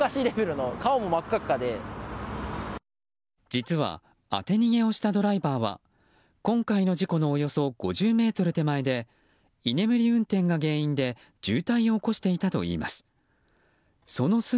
実は当て逃げをしたドライバーは今回の事故のおよそ５０ｍ手前で居眠り運転が原因で渋滞を起こしていたといいます。